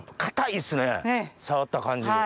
触った感じ。